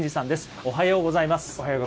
おはようございます。